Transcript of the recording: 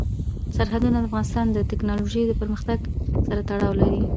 سرحدونه د افغانستان د تکنالوژۍ پرمختګ سره تړاو لري.